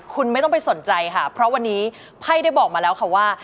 คุณไม่ต้องไปสนใจค่ะเพราะวันนี้ไพ่ได้บอกมาแล้วค่ะว่า